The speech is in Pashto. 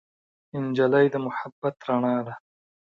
نجلۍ د محبت رڼا ده.